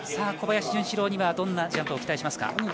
小林潤志郎にはどんなジャンプを期待しますか？